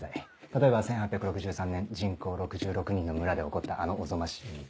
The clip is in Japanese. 例えば１８６３年人口６６人の村で起こったあのおぞましい。